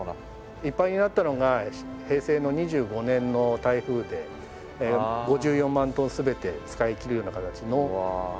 いっぱいになったのが平成の２５年の台風で５４万トン全て使い切るような形の貯水量がありました。